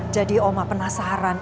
jadi oma penasaran